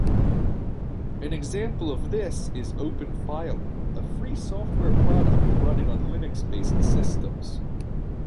An example of this is Openfiler, a free software product running on Linux-based systems.